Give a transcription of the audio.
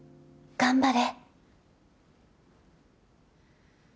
頑張れ。